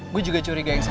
gue juga curiga yang sama